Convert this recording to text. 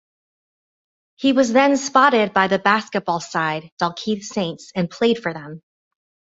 He was then spotted by the basketball side Dalkeith Saints and played for them.